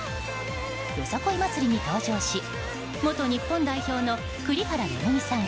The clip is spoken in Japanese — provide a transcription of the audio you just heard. よさこい祭りに登場し元日本代表の栗原恵さん